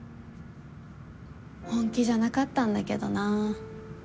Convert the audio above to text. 本気じゃなかったんだけどなあ。